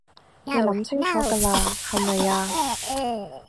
你諗清楚㗎喇，係咪啊？